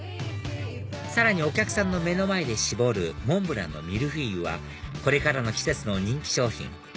さらにお客さんの目の前で絞るモンブランのミルフィーユはこれからの季節の人気商品